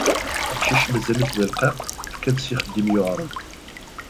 Aqcic mazal-it d aleqqaq, fkan-t s ixeddim yewɛren.